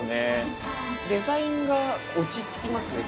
デザインが落ち着きますね。